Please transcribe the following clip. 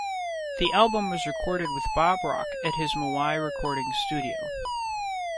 The album was recorded with Bob Rock at his Maui recording studio.